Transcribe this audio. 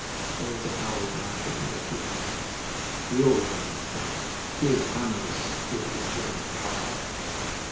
There was a howl of laughter from the two women. "The old one is drunk. He is amorous with the German cow!"